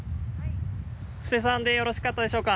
布施さんでよろしかったでしょうか？